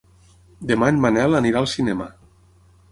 Demà en Manel anirà al cinema.